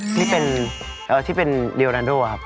ที่เป็นที่เป็นเรียลานโน่น่ะครับ